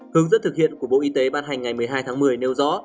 hướng dẫn thực hiện của bộ y tế ban hành ngày một mươi hai tháng một mươi nêu rõ